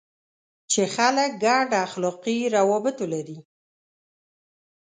چې خلک ګډ اخلاقي روابط ولري.